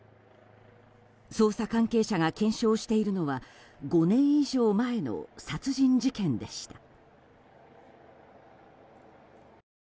捜査関係者が検証しているのは５年以上も前の殺人事件でした。